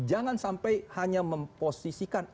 jangan sampai hanya memposisikan